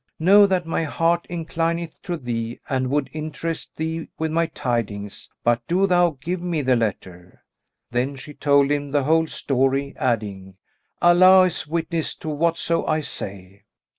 Know that my heart inclineth to thee and would interest thee with my tidings, but do thou give me the letter." Then she told him the whole story, adding, "Allah is witness to whatso I say."